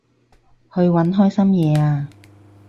去搵開心嘢吖